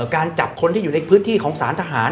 การจับคนที่อยู่ในพื้นที่ของสารทหาร